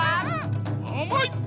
あまい！